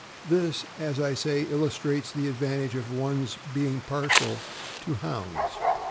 This, as I say, illustrates the advantage of one's being partial to Hounds.